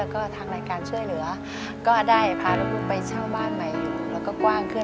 แล้วก็ทางรายการช่วยเหลือก็ได้พาลูกไปเช่าบ้านใหม่อยู่แล้วก็กว้างขึ้น